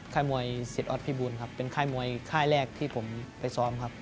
ค่ายมวยสิทธิออสพิบูลครับเป็นค่ายมวยค่ายแรกที่ผมไปซ้อมครับ